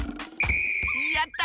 やった！